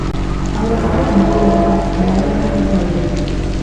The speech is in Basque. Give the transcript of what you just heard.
Hau bakarrik ilargi berria dagoenean gerta daiteke.